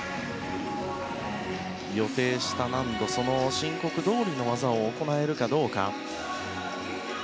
予定した難度申告どおりの技を行えるかどうか。